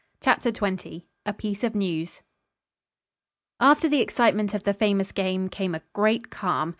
CHAPTER XX A PIECE OF NEWS After the excitement of the famous game came a great calm.